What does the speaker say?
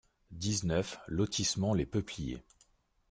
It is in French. dix-neuf lotissement Les Peupliers